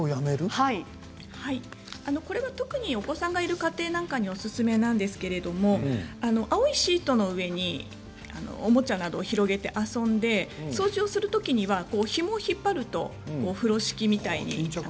これは特にお子さんがいる家庭なんかにおすすめなんですけれども青いシートの上におもちゃなどを広げて遊んで掃除をするときにはひもを引っ張ると風呂敷みたいに。